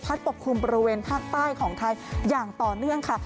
ปกคลุมบริเวณภาคใต้ของไทยอย่างต่อเนื่องค่ะ